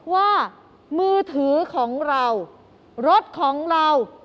ว่ามือถือของเรารถของเรา